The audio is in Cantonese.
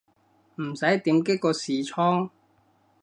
唔使點擊個視窗